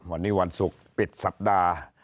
วันนี้วันศุกร์ปิดสัปดาห์